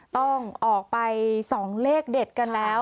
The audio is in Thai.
ต้องออกไปส่องเลขเด็ดกันแล้ว